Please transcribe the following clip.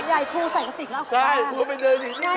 ใช่ครูก็ไปเดินอยู่นังไหน